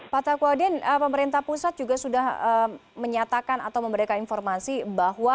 pak takwadin pemerintah pusat juga sudah menyatakan atau memberikan informasi bahwa